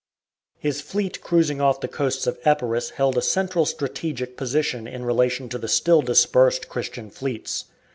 His fleet cruising off the coasts of Epirus held a central strategic position in relation to the still dispersed Christian fleets.